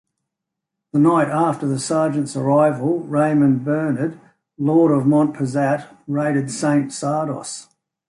The night after the sergeant's arrival, Raymond-Bernard, lord of Monpezat, raided Saint-Sardos.